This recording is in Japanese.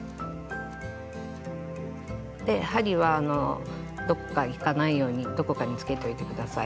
で針はどこかいかないようにどこかにつけておいて下さい。